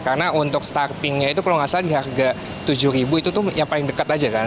karena untuk startingnya itu kalau nggak salah di harga rp tujuh itu tuh yang paling dekat aja kan